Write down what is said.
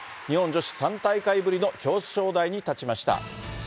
日本女子３大会ぶりの表彰台に立ちました。